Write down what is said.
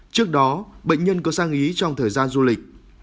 trước đó bệnh nhân có sang ý trong thời gian du lịch